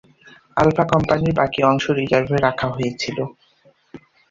Alpha কোম্পানির বাকি অংশ রিজার্ভে রাখা হয়েছিল।